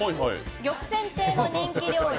玉泉亭の人気料理